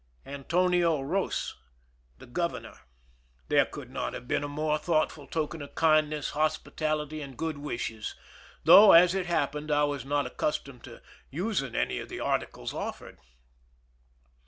Antonio Ros, The Governor. There could not have been a more thoughtful token of kindness, hospitality, and good wishes, though, as it happened, I was not accustomed to using any of the articles offered.